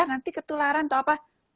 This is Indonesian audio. nanti ketularan atau apa